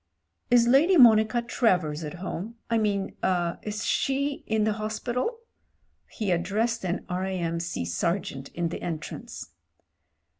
"Is Lady Monica Travers at home; I mean— er — is she in the hospital?" He addressed an R.A.M.C sergeant in the entrance.